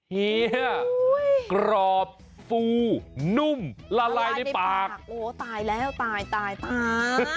เฮียกรอบฟูนุ่มละลายในปากโอ้ตายแล้วตายตายตาย